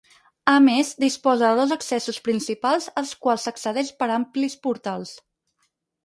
A més, disposa de dos accessos principals als quals s'accedeix per amplis portals.